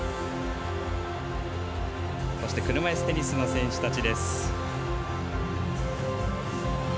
そして車いすテニスの選手たち。